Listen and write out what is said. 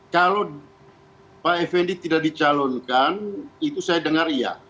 kalau pak effendi tidak dicalonkan itu saya dengar iya